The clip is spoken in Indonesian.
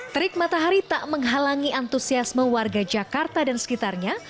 terik matahari tak menghalangi antusiasme warga jakarta dan sekitarnya